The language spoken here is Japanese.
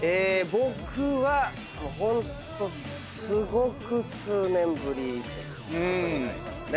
僕はホントすごく数年ぶりということになりますね。